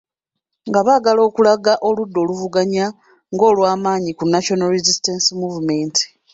Nga baagala okulaga oludda oluvuganya ng'olw’amaanyi ku National Resistance Movement.